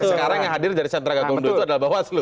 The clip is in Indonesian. sekarang yang hadir dari sentra keakumdu itu adalah bawas slu